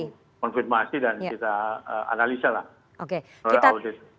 konfirmasi dan kita analisa lah